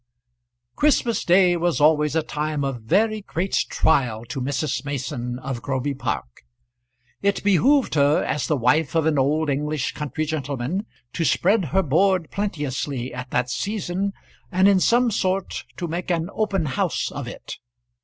Christmas day was always a time of very great trial to Mrs. Mason of Groby Park. It behoved her, as the wife of an old English country gentleman, to spread her board plenteously at that season, and in some sort to make an open house of it.